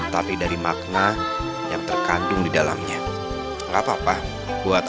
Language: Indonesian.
tapi kebahagiaan itu tidak dinilai dari yang namanya uang